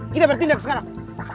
kita bertindak sekarang